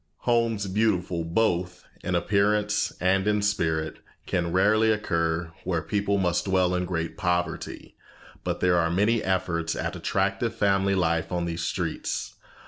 Homes beautiful both in appearance and in spirit can rarely occur where people must dwell in great poverty, but there are many efforts at attractive family life on these streets.